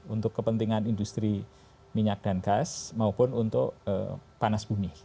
untuk kepentingan industri minyak dan gas maupun untuk panas bumi